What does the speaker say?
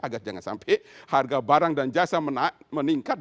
agar jangan sampai harga barang dan jasa meningkat